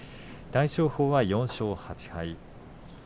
大翔鵬は４勝８敗。